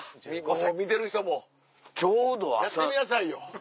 見てる人もやってみなさいよ。